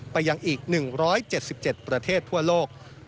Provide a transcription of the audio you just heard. ไปยังอีก๑๗๗ประเทศทั่วโลก